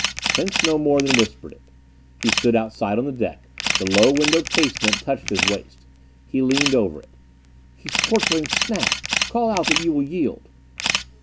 Prince no more than whispered it. He stood outside on the deck; the low window casement touched his waist. He leaned over it. "He's torturing Snap! Call out that you will yield."